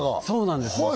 そうなんです